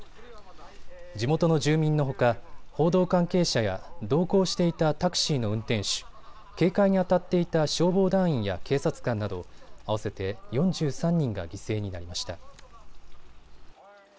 地元の住民のほか報道関係者や同行していたタクシーの運転手、警戒にあたっていた消防団員や警察官など合わせて４３人が犠牲になりました。